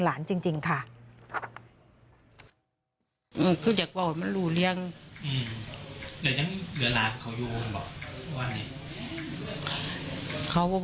ไม่รู้จริงว่าเกิดอะไรขึ้น